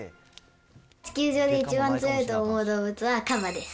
地球上で一番強いと思う動物は、カバです。